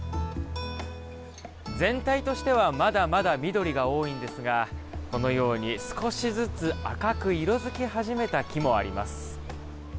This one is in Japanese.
全体としてはまだまだ緑が多いんですがこのように少しずつ赤く色づき始めた木もあります。